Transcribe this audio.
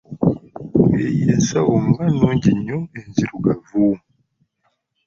Eyo ensawo nga nnungi nnyo enzirugavu.